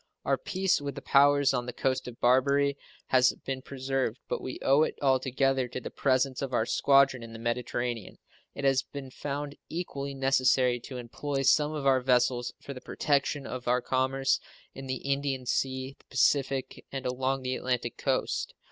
Our peace with the powers on the coast of Barbary has been preserved, but we owe it altogether to the presence of our squadron in the Mediterranean. It has been found equally necessary to employ some of our vessels for the protection of our commerce in the Indian Sea, the Pacific, and along the Atlantic coast.